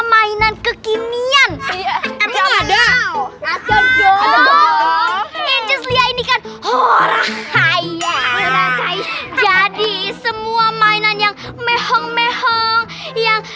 mainan kekinian ada ada ini kan jadi semua mainan yang mehong mehong yang